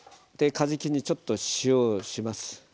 かじきにちょっと塩をします。